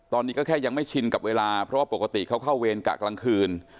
ตอนนี้ก็แค่ยังไม่ชินกับเวลาเพราะว่าปกติเขาเข้าเวรกะกลางคืน